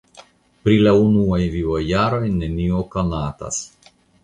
Pri la unuaj vivojaroj nenio konatas.